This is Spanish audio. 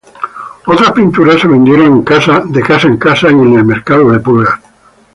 Otras pinturas se vendieron de casa en casa y en el mercado de pulgas.